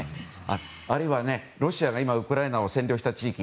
あるいは、ロシアが今、ウクライナの占領した地域。